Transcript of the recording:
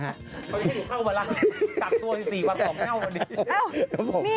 เฮ้ยให้หนูเข้ามาแล้วจัดตัวที่สี่วันสองไม่เข้ามาดี